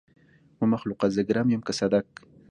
ومخلوقه! زه ګرم يم که صدک.